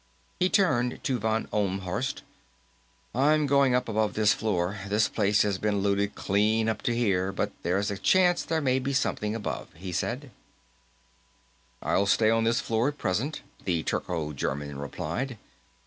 He turned to von Ohlmhorst. "I'm going up above this floor. This place has been looted clean up to here, but there's a chance there may be something above," he said. "I'll stay on this floor, at present," the Turco German replied.